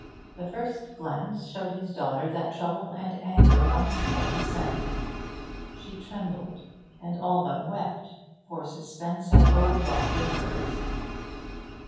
The first glance showed his daughter that trouble and anger once more beset him. She trembled, and all but wept, for suspense had overwrought her nerves.